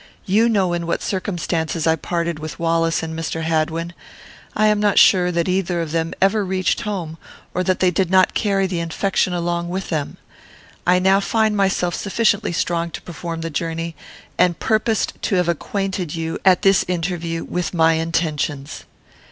You know in what circumstances I parted with Wallace and Mr. Hadwin. I am not sure that either of them ever reached home, or that they did not carry the infection along with them. I now find myself sufficiently strong to perform the journey, and purposed to have acquainted you, at this interview, with my intentions.